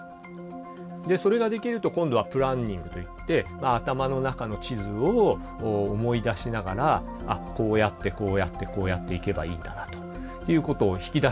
でそれができると今度はプランニングといって頭の中の地図を思い出しながら「あっこうやってこうやってこうやって行けばいいんだな」ということを引き出してくる。